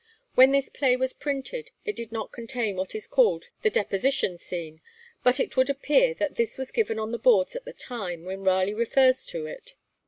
When this play was printed it did not contain what is called the 'Deposition Scene,' but it would appear that this was given on the boards at the time when Raleigh refers to it.